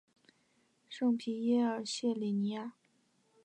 圣皮耶尔谢里尼亚。